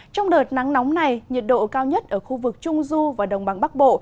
trong đợt nắng nóng này nhiệt độ cao nhất ở khu vực trung du và đồng bằng bắc bộ